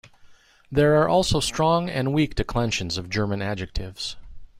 There are also strong and weak declensions of German adjectives.